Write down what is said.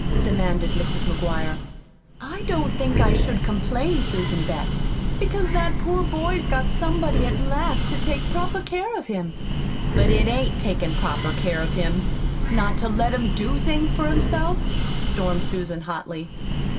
demanded Mrs. McGuire. "I don't think I should complain, Susan Betts, because that poor boy's got somebody at last to take proper care of him." "But it AIN'T takin' proper care of him, not to let him do things for himself," stormed Susan hotly.